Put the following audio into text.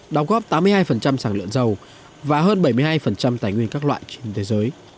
đóng góp tám mươi hai sản lượng dầu và hơn bảy mươi hai tài nguyên các loại trên thế giới